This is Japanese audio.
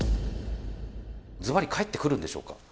すばり、帰ってくるんでしょうか。